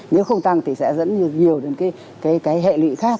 nếu không tăng thì sẽ dẫn nhiều đến cái hệ lụy khác